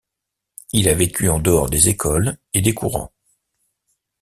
Il a vécu en dehors des écoles et des courants.